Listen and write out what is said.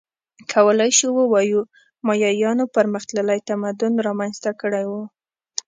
کولای شو ووایو مایایانو پرمختللی تمدن رامنځته کړی و